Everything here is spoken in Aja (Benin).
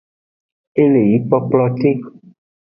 E le yi kplokplote.